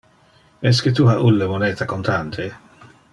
Esque tu ha ulle moneta contante?